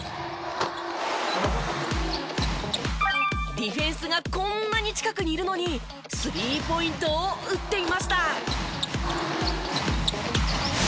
ディフェンスがこんなに近くにいるのにスリーポイントを打っていました。